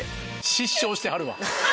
失笑してはるわ。